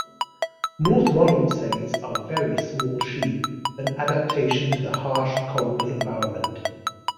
North Ronaldsays are very small sheep, an adaptation to the harsh, cold environment.